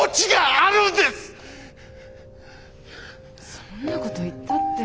そんなこと言ったって。